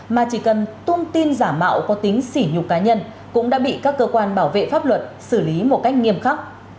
mà chỉ cần tung tin giả mạo có tính xỉ nhục cá nhân cũng đã bị các cơ quan bảo vệ pháp luật xử lý một cách nghiêm khắc